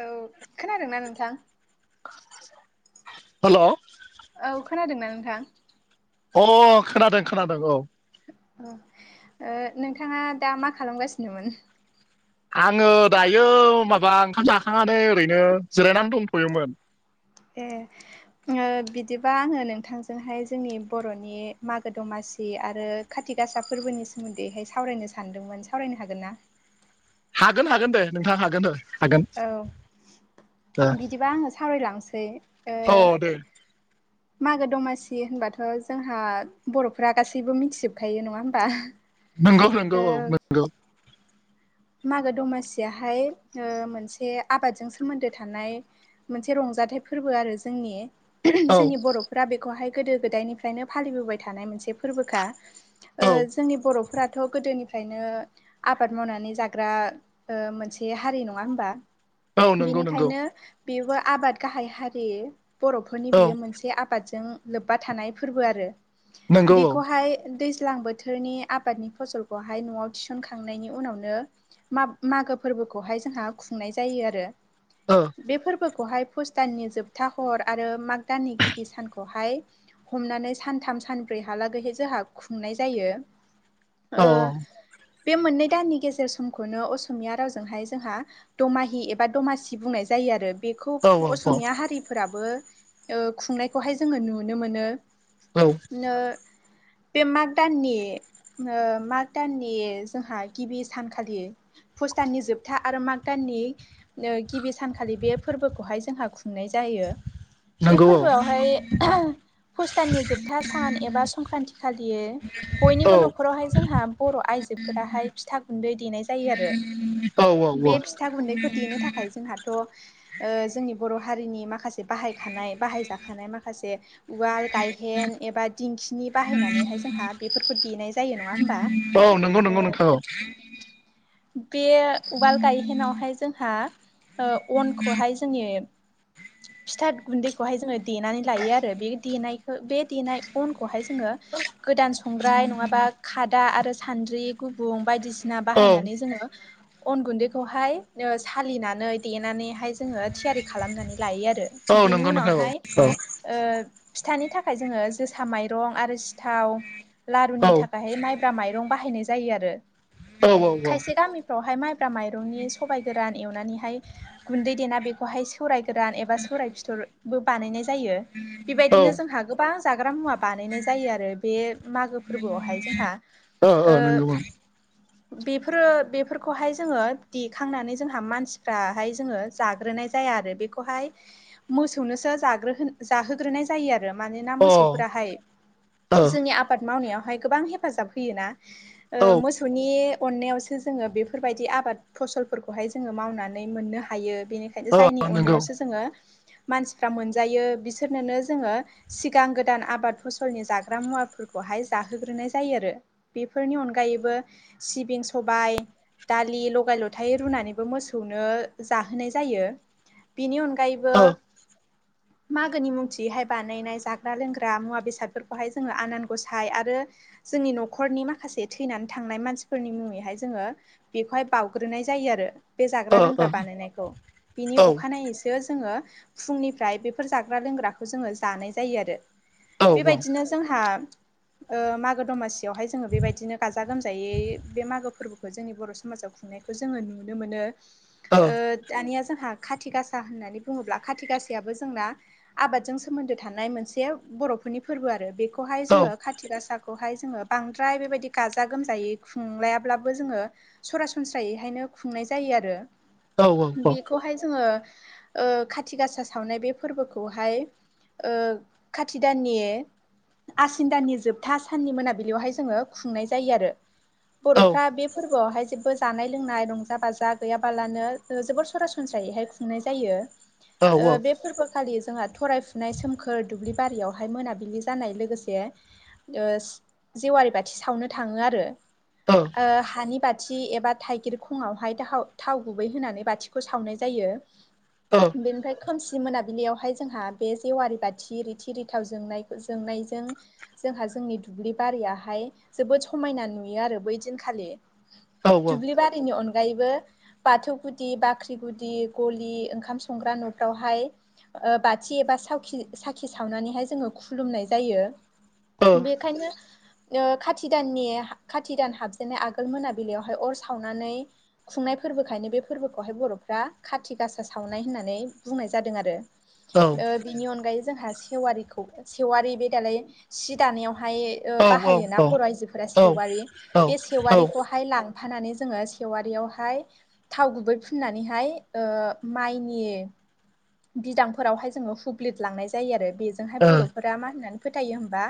औ खोनादोंना नोंथां हेल' अ औ खोनादोंना नोंथां अ खोनादों खोनादों औ नोंथाङा दा मा खालामगासिनोमोन आङो दायो माबा ओंखाम जाखांनानै ओरैनो जिरायनानै दंथ'योमोन ए बिदिबा आङो नोंथांजोंहाय जोंनि बर'नि मागो दमासि आरो खाथि गासा फोरबोनि सोमोन्दैहाय सावरायनो सानदोंमोन सावरायनो हागोन ना हागोन हागोन दे नोंथाङा हागोन हागोन औ बिदिबा आङो सावरायलांसै ओ औ दे मागो दमासि होनबाथ' जोंहा बर'फोरा गासैबो मिथिजोबखायो नङा होमबा नंगौ नंगौ औ ओ नंगौ। मागो दमासियाहाय मोनसे आबादजों सोमोन्दो थानाय। मोनसे रंजाथाइ फोरबो आरो जोंनि औ जोंनि बर'फोरा बेखौहाय गोदो गोदायनिफ्रायनो फालिबोबाय थानाय मोनसे फोरबोखा। ओ औ जोंनि बर'फोराथ' गोदोनिफ्रायनो आबाद मावनानै जाग ग्रा ओ मोनसे हारि नङा होमबा औ नंगौ नंगौ बेनिखायनो बिबो आबाद गाहाय हारि बर'फोरनि औ बियो मोन से आबादजों लोब्बा थानाय फोरबो आरो नंगौ औ बेखौहाय दैज्लां बो थोरनि आबादनि फसलखौहाय न'आव थिसनखांनायनि उनावनो माब-मागो फोरबोखौहाय जोंहा खुंनाय जायो आरो। ओ। बे फोरबोखौहाय पुस दाननि जोबथा हर आरो माग दाननि गिबि सानखौहाय हमनानै सानथाम सानब्रै हालागै जोहा खुंनाय जायो। औ ओ बे मोननै दाननि गेजेर स हमखोनो असमिया रावजोंहाय जोंहा दमाहि एबा दमासि बुंनाय जायो आरो बेखौ औ औ असमिया हारिफोराबो ओ खुंनायखौहाय जोङो नुनो मोनो। औ नो बे माग दाननि ओ माग दाननि जोंहा गिबि सान खालि पुस्ताननि जोबथा आरो माग दाननि ओ गिबि सानखालि बे फोरबोखौहाय जोंहा खुंनाय जायो। बे नंगौ औ फोरबोआवहाय पुस्ताननि जोबथा सान एबा संक्रान्ति खालियो औ बयनिबो न'खरावहाय जोंहा बर' आइजोफोराहाय फिथा गुन्दै देनाय जायो आरो औ औ औ बे फिथा गुन्दैखो देनो थाखाय जोंहाथ' ओ जोंनि बर' हारिनि माखासे बाहायखानाय बाहायजाखानाय माखासे उवाल गायहेन एबा दिंखिनि बाहायनानैहाय जोंहा बेफोरखौ देनाय जायो नङा होमबा? औ नंगौ ओ नंगौ नोंथां औ बे उवाल गाय हेन आवहाय जोंहा ओ अनखौहाय जोंनि फि थोत गुन्दैखौहाय जोङो देनानै लायो आरो बे देनायखो बे देनाय अनखौहाय जोङो गोदान संग्राय नङाबा खादा आरो सान्द्रि गुबुं बायदिसिना औ बाहायनानै जोङो अन गुन्दैखौहाय ओ सालिनानै देनानैहाय जोङो थियारि खालामनानै लायो आरो औ बिनि नंगौ नोंथां औ उनावहाय ओ फिथानि थाखाय जोङो जोसा माइरं आरो सिथाव लारुनि थाखायहाय माइब्रा माइरं बाहायनाय जायो आरो औ औ औ फ्रावहाय माइब्रा माइरंनि सबाइ गोरान एवनानैहाय गुन्दै देना बेखौहाय सो सौराय गोरान एबा सौराय फिथरबो बानायनाय जायो बेबायदिनो जोंहा गोबां जाग्रा मुवा बानायनाय जायो आरो बे मागो फोरबोआवहाय जोंहा ओ नंगौ औ बेफोरो बेफोरखौहाय जोङो देखांनानै जोंहा मानसिफ्राहाय जोङो जाग्रोनाय जाया आरो बे खौहाय मोसौनोसो जाग्रो होनो जाहो ग्रोनाय जायो आरो मानोना मोसौफोराहाय अ जोंनि आब बाद मावनायावहाय गोबां हेफाजाब होयोना औ ओ मोस फोरनि अननायावसो जोङो बेफोरबायदि आबाद फसलफोरखौहाय जोङो मावनानै मोननो हायो। बेनिखायनो औ जायनि नंगौ अननायावसो जोङो मानसिफ्रा मोनजायो बिसोरनोनो जोङो सिगां गोदान आबाद फसलनि जाग्रा मुवाफोरखौहाय जाहोग्रोनाय जायो आरो बेफोरनि अनगायैबो सिबिं सबाय दालि लगाय लथाय रुनानैबो मोसौनो जाहोनाय जायो बेनि अनगा औ गायबो मागोनि मुंथियैहाय बानायनाय जाग्रा लोंग्रा मुवा बेसादफोरखौहाय जोङो आनान गसाय आरो जोंनि न'खरनि माखासे थैनानै थांनाय मानसिफोरनि मुङैहाय जोङो बेखौहाय बावउग्रोनाय जायो आरो बे जाग्रा लोंग्रा बानायनायखौ बिनि अखानायैसो जोङो फुंनिफ्राय बेफोर जाग्रा लोंग्राखौ जोङो जानाय जायो आरो बेबायदिनो जोंहा ओ मागो दमासियावहाय जोङो बेबायदिनो गाज्रि गाजा गोमजायै बे मागो फोरबोखौ जोंनि बर' समाजाव खुंनायखौ जोङो नुनो मोनो। ओ दानिया जोंहा खाथि गासा होननानै बुङोब्ला खाथि गासायाबो जोंना। आबादजों सोमोन्दो थानाय मोनसे बर'फोरनि फोरबो आरो बे खौहाय जोङो काति गासाखौहाय जोङो बांद्राय बेबायदि गाजा गोमजायै खुंलायाब्लाबो जोङो सरासनस्रायैहायनो खुंनाय जायो आरो औ बेखौहाय जोङो ओ खाथि गासा सावनाय बे फोरबोखौहाय खाथि दाननि आसिन दानि जोबथा साननि मोनाबिलियावहाय जोङो खुंनाय जायो आरो बर'फ्रा बे फोरबो फोरआवहाय जेबो जानाय लोंनाय रंजा बाजा गैयाबालानो जोबोर सरासनस्रायैहाय खुंनाय जायो बे फोरबो आ खालि जोंहा थरायफुनाय सोमखोर दुब्लि बारियावहाय मोनाबिलि जानाय लोगोसे ओ जेवारि बाथि सावनो थाङो आरो हानि बाथि एबा थाइगिर खङावहाय थाव गुबै होनानै बाथिखौ सावनाय जायो अ बेनिफ्राय खोमसि मोनाबिलियावहाय जोंहा बे जेवारि बाथि रिथि रिथाव जोंनाय जोंनायजों जोंहा जोंनि दुब्लि बारियाहाय जोबोद समायना नुयो आरो बै दिनखालि दुब्लिबारिनि अन अनगायैबो बाथौ गुदि बाख्रि गुदि गलि ओंखाम संग्रा न'फ्रावहाय ओ बाथि एबा सावि साखि सावनानैहाय जोङो खुलुमनाय जायो बेखायनो ओ खाथि दाननि खाथि दान हाबजेननाय आगोल मोनाबिलियावहाय अर सावनानै खुंनाय फोरबोखायनो बे फोरबोखौहाय बर'फ्रा खाथि गासा सावनाय होननानै बुंनाय जादों आरो बिनि अनगायै जोंहा सेवारिखौ सेवारि बे दालाय सि दानायावहाय बाहायोना बर' आइजोफोरा सेवारि बे सेवारिखौ हाय लांफानानै जोङो सेवारियावहाय थाव गुबै फुननानैहाय ओ माइनि बिदांफोरावहाय जोङो हुब्लिद लांनाय जायो आरो बेजोंहाय बर'फोर मा होननानै फोथायो होमबा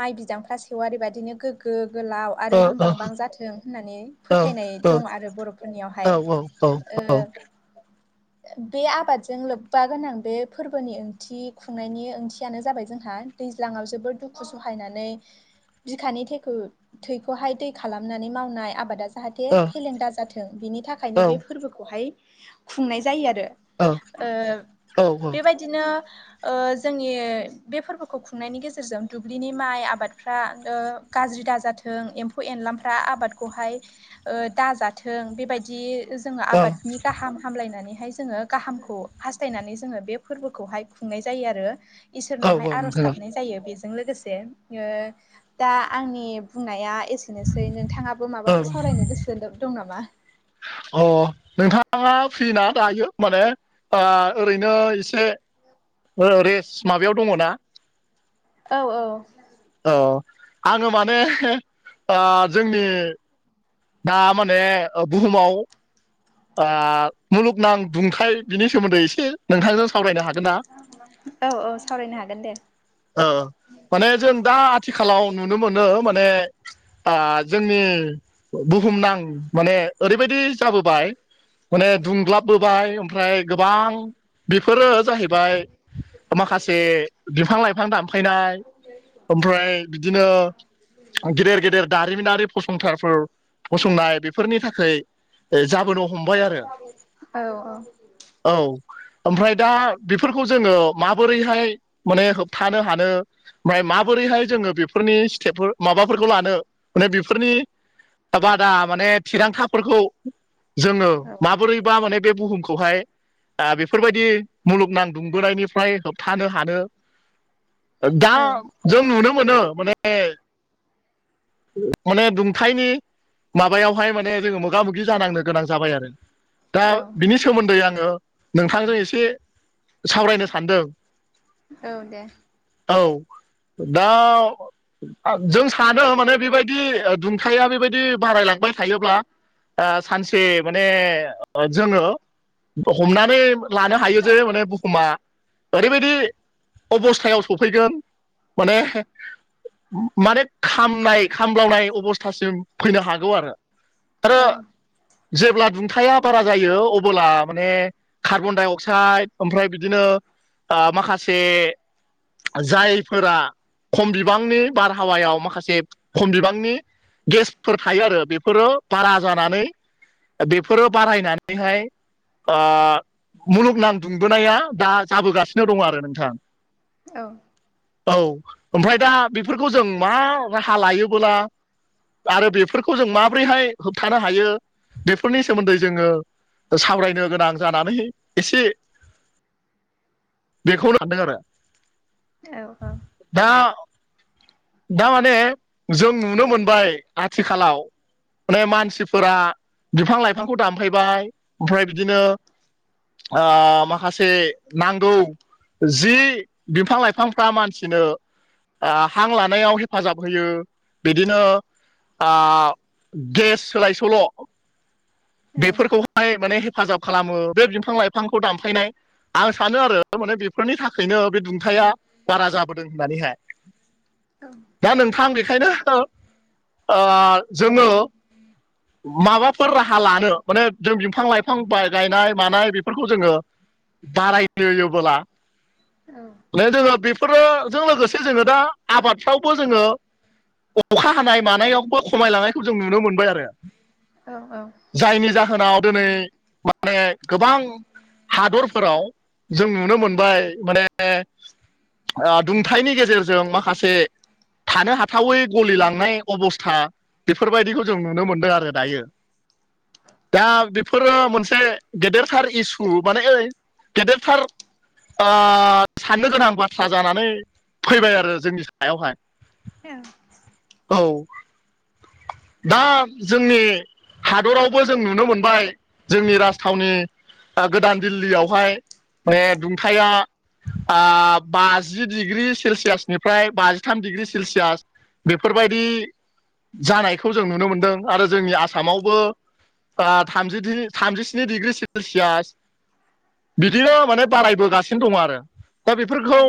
माइ बिदांफ्रा सेवारि बादिनो गोग्गो गोलाव आरो रुमबांबां जाथों होननानै फोथायनाय दं आरो बर'फोरनियावहाय औ औ औ औ ओ बे आबादजों लोब बा गोनां बे फोरबोनि ओंथि खुंनायनि ओंथियानो जाबाय जोंहा दैज्लाङाव जोबोद दुखु सुखु सहायनानै बिखानि थैखौ थैखौहाय दै खालामनानै मावनाय आबादा जाहाथे औ औ फेलेंदा जाथों बिनि औ थाखायनो बे फोरबोखौहाय खुंनाय जायो आरो औ ओ औ बेबायदिनो ओ जोंनि बे फोरबोखौ खुंनायनि गेजेरजों दुब्लिनि माइ आबादफ्रा गाज्रि दाजाथों एम्फौ एनलाफ्रा आबादखौहाय दाजाथों बेबायदि जों आबादनि गाहाम हामलायनानैहाय जोङो गाहामखौ हासथायनानै थायनानै जोङो बे फोरबोखौहाय खुंनाय जायो आरो इसोरनावहाय आर'ज औ औ गाबनाय जायो बे जों लोगोसे दा आंनि बुंनाया एसे बेनोसै नोंथाङाबो औ माबाफोर सावरायनो गोसो दं नामा अ नोंथाङा फ्रिना दायो माने ओरैनो एसे ओ रेस माबायाव दङना? औ औ औ आङो माने ओ जोंनि दा माने ओ बुहुमाव ओ मुलुगनां दुंथाय बिनि सोमोन्दै एसे नोंथांजों सावरायनो हागोन ना? औ औ सावरायनो हागोन दे। माने जों दा आथिखालाव नुनो मोनो माने जोंनि बुहुमनां माने ओरैबायदि जाबोबाय माने दुंग्लाबबोबाय ओमफ्राय गोबां बेफोरो जाहैबाय माखासे बिफां लाइफां दानफायनाय ओमफ्राय बिदिनो गेदेर गेदेर दारिमिनारि फसंथफोर फसंनाय बेफोरनि थाखाय जाबोनो हमबाय आरो औ औ औ ओमफ्राय दा बेफोरखौ जोङो माबोरैहाय माने होबथानो हानो ओमफ्राय माबोरैहाय जोङो बेफोरनि स्टेप माबाफोरखौ लानो माने बेफोरनि बादा माने थिरांथाफोरखौ जोङो औ माबोरैबा माने बे बुहुमखौ खौहाय बेफोरबायदि मुलुगनां दुंबोनायनिफ्राय होबथानो हानो दा औ जों नुनो मोनो माने माने दुंथायनि माबायावहाय माने जोङो मोगा मोगि जानांनो गोनां जाबाय आरो। दा औ बिनि सोमोन्दै आङो नोंथांजों एसे सावरायनो सानदों। औ दे औ दा जों सानो माने बेबायदि दुंथाया बेबायदि बारायलांबाय थायोब्ला सानसे माने जोङो हमनानै लानो हायो जे माने बुहुमा ओरैबायदि अबस्थायाव सफैगोन माने माने खामनाय खामलावनाय अबस्थासिम फैनो हागौ आरो! आरो औ जेब्ला दुंथाया बारा जायो अब्ला माने कार्बन डाइ अक्साइड ओमफ्राय बिदिनो माखासे जायफोरा खम बिबांनि बारहावायाव माखासे खम बिबांनि गेसफोर थायो आरो बेफोरो बारा जानानै बेफोरो बारायनानैहाय ओ मुलुगनां दुंबोनाया दा जाबोगासिनो दं आरो नोंथां। औ औ ओमफ्राय दा बेफोरखौ जों मा राहा लायोबोला आरो बेफोरखौ जों माबोरैहाय होबथानो हायो बेफोरनि सोमोन्दै जोङो सावरायनो गोनां जानानै एसे बेखौनो लादों आरो। औ औ दा दा माने जों नुनो मोनबाय आथिखालाव माने मानसिफोरा बिफां लाइफांखौ दानफैबाय ओमफ्राय बिदिनो ओ माखासे नांगौ जि बिफां-लाइफांफ्रा मानसिनो ओ हां लानायाव हेफाजाब होयो बिदिनो ओ गेस सोलाय सोल' औ बेफोरखौहाय माने हेफाजाब खालामो बे बिफां लाइफांखौ दानफायनाय आं सानो आरो माने बेफोरनि थाखायनो बे दुंथाया बारा जाबोदों होननानैहाय दा नोंथां बे- खायनो जोङो माबाफोर राहा हा लानो माने जों बिफां लाइफां गायनाय मानाय बेफोरखौ जोङो बारायहोयोबोला औ जोङो बेफोरोजों लोगोसे जोङो दा आबादफ्रावबो जोङो अखा हानाय मानायावबो खमायलांनायखौ जों नुनो मोनबाय आरो। औ औ जायनि जाहोनाव दिनै माने गोबां हादरफोराव जों नुनो मोनबाय माने ओ दुंथाइनि गेजेरजों माखासे थानो हाथावै गलिलांनाय अबस्था बेफोरबायदिखौ जों नुनो मोनदों आरो दायो दा बेफोरो मोनसे गेदेरथार इसु माने ओइ गेदेरथार ओ साननो गोनां बाथ्रा जानानै फैबाय आरो जोंनि सायावहाय [unintelligible] औ दा जोंनि हादरावबो जों नुनो मोनबाय जोंनि राजथावनि गोदान दिल्लीयावहाय माने दुंथाया ओ बाजि डिग्रि सेलसियासनिफ्राय बाजिथाम डिग्रि सेलसियास बेफोरबायदि जानायखौ जों नुनो मोनदों आरो जोंनि आ सामावबो थामजिस्नि डिग्रि सेलसियास बिदिनो माने बारायबोगासिनो दङ आरो दा बेफोरखौ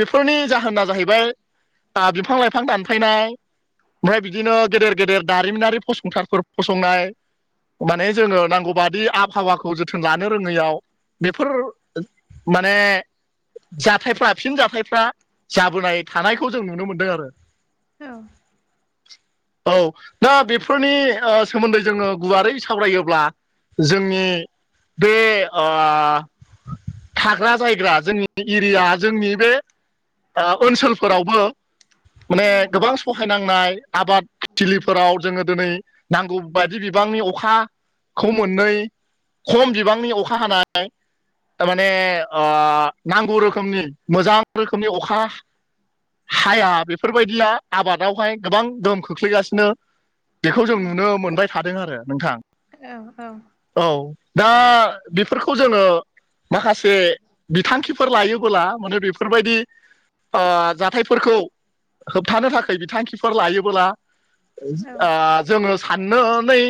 बेफोरनि जाहोना जाहैबाय बिफां लाइफां दानफायनाय ओमफ्राय बिदिनो गेदेर गेदेर दारिमिनारि फसंथानफोर फसंनाय माने जोङो नांगौ बादि आबहावाखौ जोथोन लानो रोङैयाव बेफोर माने जाथायफ्रा फिन जाथायफ्रा जाबोनाय थानायखौ जों नुनो मोनदों आरो औ औ दा बेफोरनि सोमोन्दै जोङो गुवारै सावरायोब्ला जोंनि बे ओ थाग्रा जायग्रा जोंनि एरिया जोंनि बे ओ ओनसोलफोरावबो माने गोबां सहायनांनाय आबाद थिलिफोराव जोङो दिनै नांगौ बायदि बिबांनि अखाखौ मोनै खम बिबांनि अखा हानाय थारमाने ओ नांगौ रोखोमनि मोजां रोखोमनि अखा हाया बेफोरबायदिया आबादावहाय गोबां गोहोम खोख्लैगासिनो बेखौ जों नुनो मोनबाय थादों आरो नोंथां औ औ औ दा बेफोरखौ जोङो माखासे बिथांखिफोर लायोबोला माने बेफोरबायदि ओ जाथायफोरखौ होबथानो थाखाय बिथांखिफोर लायोबोला ओ औ जोङो साननानै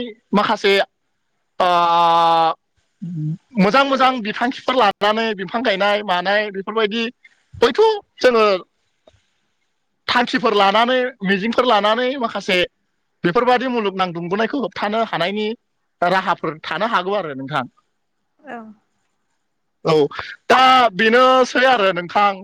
माखासे [inaudible] मोजां मोजां बिथांखिफोर लानानै बिफां गायनाय मानाय बेफोरबायदि बैथ' जोङो थांखिफोर लानानै मिजिंफोर लानानै माखासे बेफोरबादि मुलुगनां दुंबोनायखौ होबथानो हानायनि राहाफोर थानो हागौ आरो नोंथां। औ। औ दा बेनोसै आरो नोंथां।